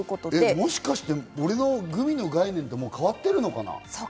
もしかして、俺のグミの概念と変わってるのかな？